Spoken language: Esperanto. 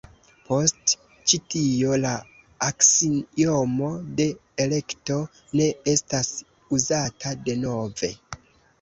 Post ĉi tio, la aksiomo de elekto ne estas uzata denove.